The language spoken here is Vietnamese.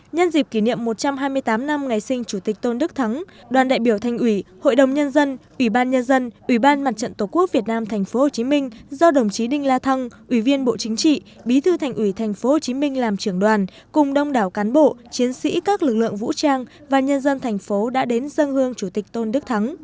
nhân dịp kỷ niệm một trăm hai mươi tám năm ngày sinh chủ tịch tôn đức thắng đoàn đại biểu thành ủy hội đồng nhân dân ủy ban nhân dân ủy ban mặt trận tổ quốc việt nam tp hcm do đồng chí đinh la thăng ủy viên bộ chính trị bí thư thành ủy tp hcm làm trưởng đoàn cùng đông đảo cán bộ chiến sĩ các lực lượng vũ trang và nhân dân thành phố đã đến dân hương chủ tịch tôn đức thắng